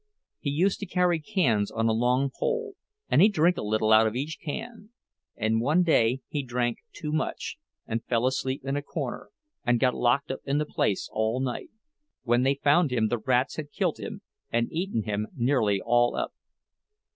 He used to carry cans on a long pole; and he'd drink a little out of each can, and one day he drank too much, and fell asleep in a corner, and got locked up in the place all night. When they found him the rats had killed him and eaten him nearly all up."